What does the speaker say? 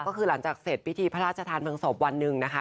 ก็คือหลังจากเสร็จพิธีพระราชทานเมืองศพวันหนึ่งนะคะ